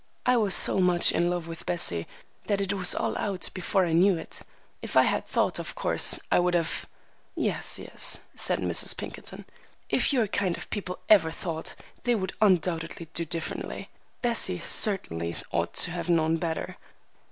I was so much in love with Bessie that it was all out before I knew it. If I had thought, of course I would have—" "Yes, yes," said Mrs. Pinkerton, "if your kind of people ever thought, they would undoubtedly do differently. Bessie certainly ought to know better.